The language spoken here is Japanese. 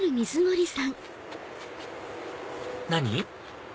何？